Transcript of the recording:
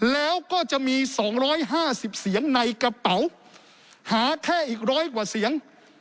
แล้วก็จะมีสองร้อยห้าสิบเสียงในกระเป๋าหาแค่อีกร้อยกว่าเสียง